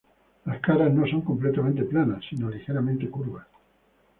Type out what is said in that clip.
Las caras no son completamente planas, si no ligeramente curvas.